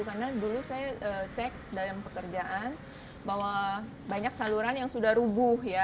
karena dulu saya cek dalam pekerjaan bahwa banyak saluran yang sudah rubuh ya